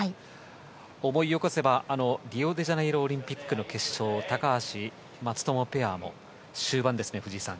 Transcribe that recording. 思い起こせばリオデジャネイロオリンピックの決勝高橋、松友ペアも終盤ですね、藤井さん